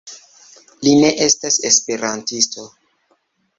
Li ne estas esperantisto.